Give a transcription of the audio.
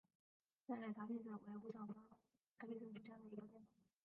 三裂茶藨子为虎耳草科茶藨子属下的一个变种。